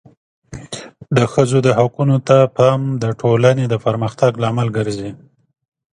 د ښځو حقونو ته پام د ټولنې د پرمختګ لامل ګرځي.